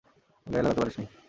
গায়ে লাগাতে পারিসনি!